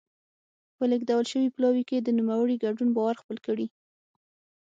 په لېږل شوي پلاوي کې د نوموړي ګډون باور خپل کړي.